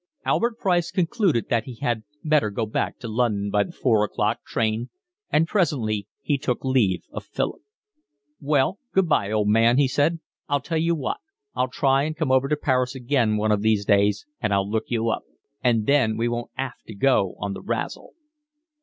Albert Price concluded that he had better go back to London by the four o'clock train, and presently he took leave of Philip. "Well, good bye, old man," he said. "I tell you what, I'll try and come over to Paris again one of these days and I'll look you up. And then we won't 'alf go on the razzle."